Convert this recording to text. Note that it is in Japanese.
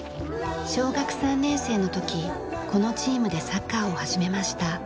小学３年生の時このチームでサッカーを始めました。